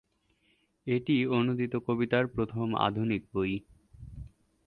এটি অনূদিত কবিতার প্রথম আধুনিক বই।